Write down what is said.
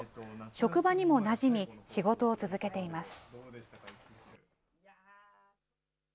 職場にもなじみ、仕事を続けています。